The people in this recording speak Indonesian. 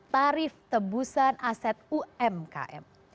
tarif tebusan aset umkm